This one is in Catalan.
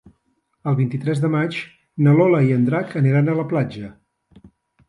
El vint-i-tres de maig na Lola i en Drac aniran a la platja.